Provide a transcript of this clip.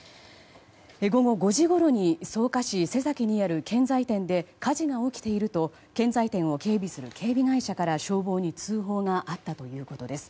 午後５時ごろに草加市瀬崎にある建材店で火事が起きていると建材店を警備する警備会社から消防に通報があったということです。